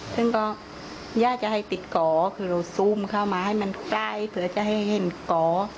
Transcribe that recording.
ฉันก็ยากจะให้ติดก่อคือโซมเข้ามาให้มันใกล้เผื่อให้เห็นก่อ